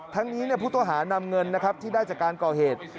ทั้งนี้ผู้ต้องหานำเงินนะครับที่ได้จากการก่อเหตุ